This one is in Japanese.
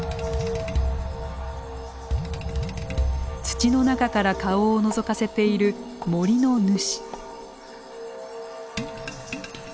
土の中から顔をのぞかせている森の主。